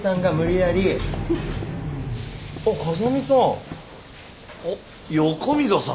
・あっ風見さん。